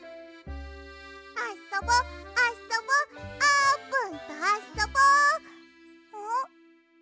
「あそぼあそぼあーぷんとあそぼ」ん？